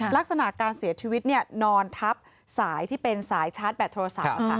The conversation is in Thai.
ลักษณะการเสียชีวิตนอนทับสายที่เป็นสายชาร์จแบตโทรศัพท์